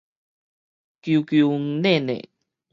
勼勼凹凹